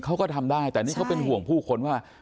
เขาก็ทำได้แต่นี่เขาเป็นห่วงผู้คนว่า